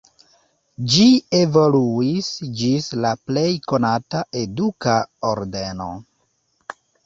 Ĝi evoluis ĝis la plej konata eduka ordeno.